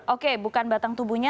oke bukan batang tubuhnya